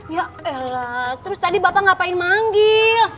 ya elek terus tadi bapak ngapain manggil